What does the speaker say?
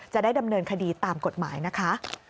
จะได้ดำเนินคดีตามกฎหมายนะคะ